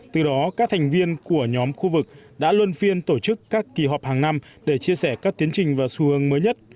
từ đó các thành viên của nhóm khu vực đã luôn phiên tổ chức các kỳ họp hàng năm để chia sẻ các tiến trình và xu hướng mới nhất